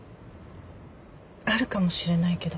あるかもしれないけど。